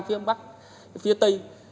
phía bắc phía tây